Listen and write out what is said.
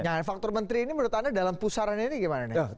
nah faktor menteri ini menurut anda dalam pusarannya ini gimana nih